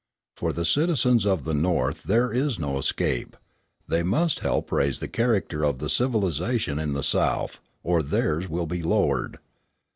For the citizens of the North there is no escape; they must help raise the character of the civilisation in the South, or theirs will be lowered.